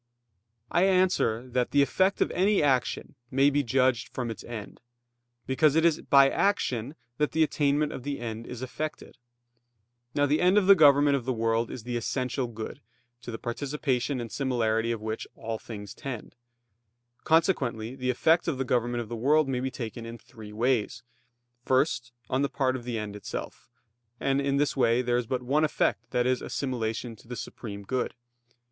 I answer that, The effect of any action may be judged from its end; because it is by action that the attainment of the end is effected. Now the end of the government of the world is the essential good, to the participation and similarity of which all things tend. Consequently the effect of the government of the world may be taken in three ways. First, on the part of the end itself; and in this way there is but one effect, that is, assimilation to the supreme good.